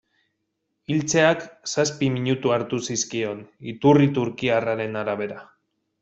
Hiltzeak zazpi minutu hartu zizkion, iturri turkiarraren arabera.